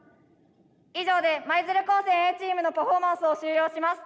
以上で舞鶴高専Ａチームのパフォーマンスを終了します。